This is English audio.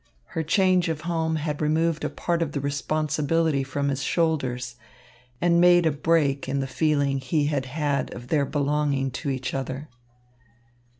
Her change of home had removed a part of the responsibility from his shoulders and made a break in the feeling he had had of their belonging to each other.